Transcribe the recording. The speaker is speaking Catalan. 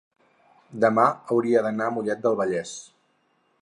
demà hauria d'anar a Mollet del Vallès.